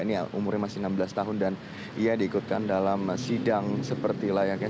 ini yang umurnya masih enam belas tahun dan ia diikutkan dalam sidang seperti layaknya